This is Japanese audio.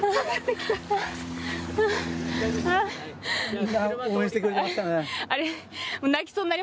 みんな応援してくれてましたね。